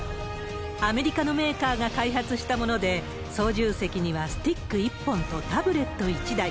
アメリカのメーカーが開発したもので、操縦席にはスティック１本とタブレット１台。